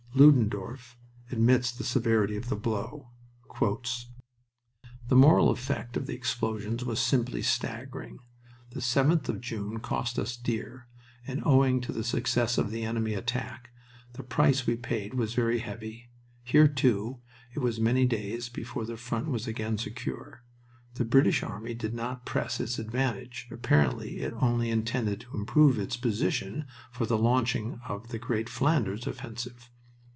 Ludendorff admits the severity of the blow: "The moral effect of the explosions was simply staggering... The 7th of June cost us dear, and, owing to the success of the enemy attack, the price we paid was very heavy. Here, too, it was many days before the front was again secure. The British army did not press its advantage; apparently it only intended to improve its position for the launching of the great Flanders offensive.